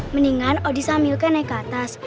mendingan odisha dan milka naik ke atas